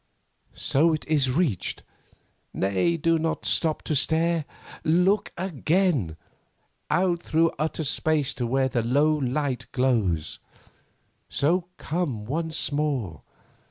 So, it is reached. Nay, do not stop to stare. Look again! out through utter space to where the low light glows. So, come once more.